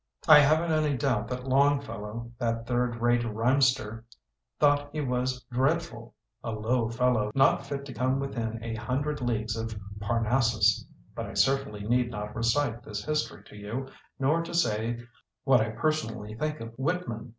I haven't any doubt that Longfellow, that third rate rhymester, thought he was dread ful— a low fellow, not fit to come with in a hundred leagues of Parnassus. But I certainly need not recite this history to you, nor to say what I per sonally think of Whitman.